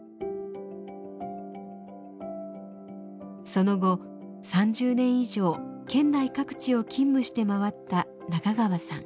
その後３０年以上県内各地を勤務して回った中川さん。